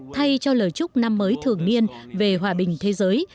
thay cho lời chúc năm mới thường niên về hòa bình thế giới